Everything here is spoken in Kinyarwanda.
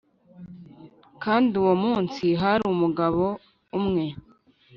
Kandi uwo munsi hari umugabo umwe